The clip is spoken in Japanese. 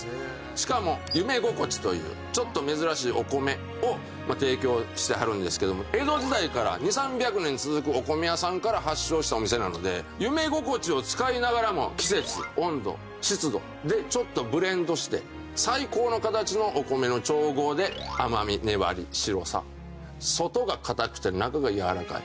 しかも夢ごこちというちょっと珍しいお米を提供してはるんですけども江戸時代から２００３００年続くお米屋さんから発祥したお店なので夢ごこちを使いながらも季節温度湿度でちょっとブレンドして最高の形のお米の調合で甘み粘り白さ外が硬くて中がやわらかい。